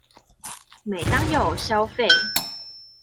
每當有消費